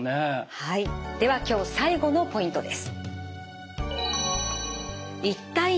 はいでは今日最後のポイントです。